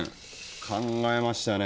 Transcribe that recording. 考えましたね。